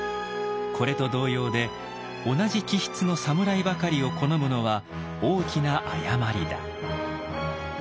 これと同様で同じ気質の侍ばかりを好むのは大きな誤りだ」。